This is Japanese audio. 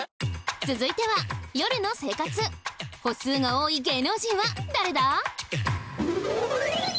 続いては夜の生活歩数が多い芸能人は誰だ？